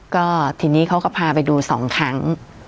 ก็ทีนี้เขาก็พาไปดูสองครั้ง